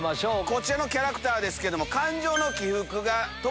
こちらのキャラクターですけども。